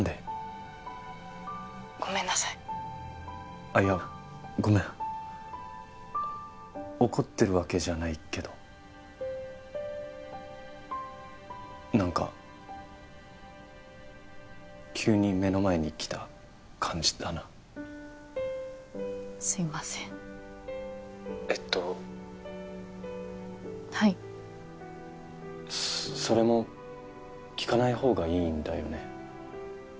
☎ごめんなさいあっいやごめん怒ってるわけじゃないけど何か急に目の前にきた感じだなすいません☎えっとはいそれも聞かないほうがいいんだよね？